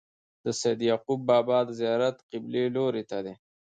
د سيد يعقوب بابا د زيارت قبلې لوري ته